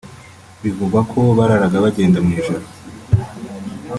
bivugwa ko bararaga bagenda mu ijoro